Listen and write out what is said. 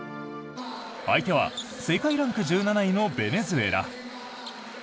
相手は世界ランク１７位のベネズエラ。